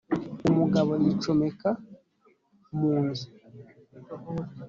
umugabo yicomeka mu nzu